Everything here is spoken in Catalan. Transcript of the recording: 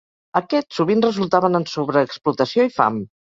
Aquests sovint resultaven en sobreexplotació i fam.